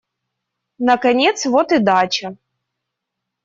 Наконец вот и дача.